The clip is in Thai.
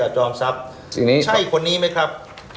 ใช่คนนี้ไหมครับ